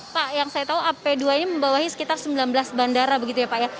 pak yang saya tahu ap dua nya membawahi sekitar sembilan belas bandara begitu ya pak ya